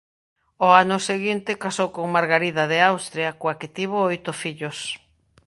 Ao ano seguinte casou con Margarida de Austria coa que tivo oito fillos.